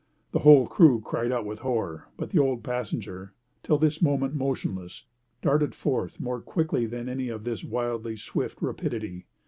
The whole crew cried out with horror. But the old passenger, till this moment motionless, darted forth more quickly than any of this wildly swift rapidity.